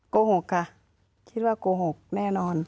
โกหกค่ะคิดว่าโกหกแน่นอน